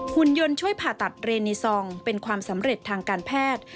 หุ่นยนต์ช่วยผ่าตัดเรนิซองเป็นความสำเร็จทางการแพทย์